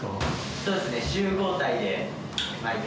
そうですね。